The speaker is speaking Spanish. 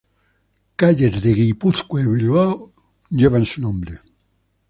Calles de Guipúzcoa y Bilbao llevan su nombre.